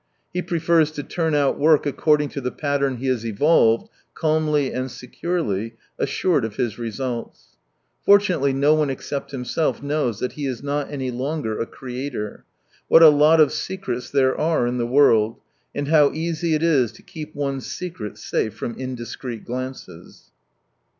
He prefers to turn out work according to the pattern he has evolved, calmly and securely, assured of his results. Fortunately no one except himself knows that he is not any longer a creator. What a lot of secrets there are in the world, and how easy it is to keep one's secret safe from indiscreet glances